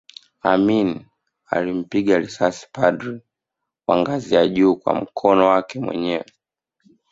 Amin alimpiga risasi padri wa ngazi ya juu kwa mkono wake mwenyewe